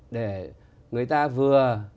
để người ta vừa